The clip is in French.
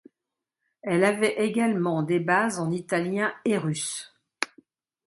Elle avait également des bases en italien et russe.